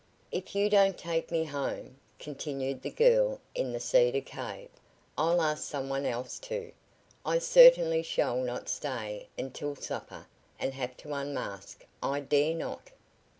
"If you don't take me home," continued the girl in the cedar cave, "I'll ask some one else to. I certainly shall not stay until supper and have to unmask. I dare not."